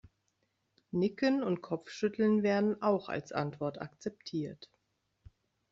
Nicken und Kopfschütteln werden auch als Antwort akzeptiert.